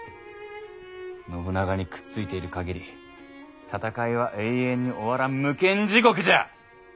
信長にくっついている限り戦いは永遠に終わらん無間地獄じゃ！